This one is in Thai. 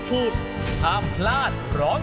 แชมป์กลุ่มนี้คือ